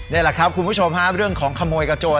นี่แหละครับคุณผู้ชมฮะเรื่องของขโมยกระโจน